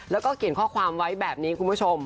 แล้วก็เขียนข้อความไว้แบบนี้คุณผู้ชม